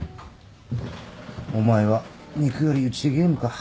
お前は肉よりうちでゲームか。